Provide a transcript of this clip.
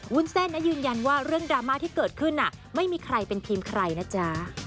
วุ้นเส้นยืนยันว่าเรื่องดราม่าที่เกิดขึ้นไม่มีใครเป็นทีมใครนะจ๊ะ